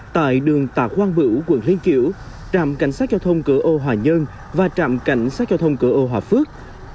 tại đường tạc quang bửu quận liên kiểu trạm cảnh sát giao thông cửa âu hòa nhơn và trạm cảnh sát giao thông cửa âu hòa phước